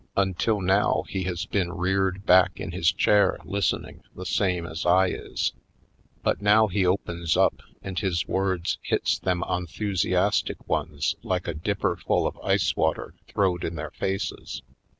Until now he has been reared back in his chair listening, the same as I is. But now he opens up and his words hits them onthusiastic ones like a dipperful of ice water throwed in their faces.